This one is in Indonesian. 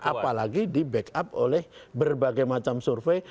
apalagi di backup oleh berbagai macam survei